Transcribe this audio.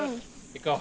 行こう。